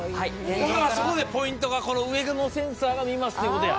だからそこでポイントが「上のセンサーが見ます」ということや。